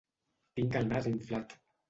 Tinc el nas inflat.